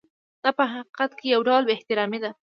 دا په حقیقت کې یو ډول بې احترامي ده.